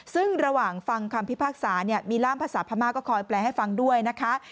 ซึ่งระหว่างฟังคำพิพากษามีร่ามภาษาพม่าก็คอยแปลให้ฟังด้วยนะคะ